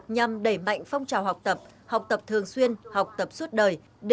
nhằm đẩy mạnh phong trào học tập học tập thường xuyên học tập suốt đời